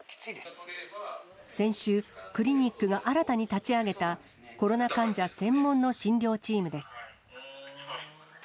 先週、クリニックが新たに立ち上げた、コロナ患者専門の診療チームです。